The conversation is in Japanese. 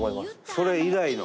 それ以来の。